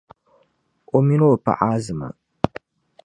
O mini O paɣa Azima.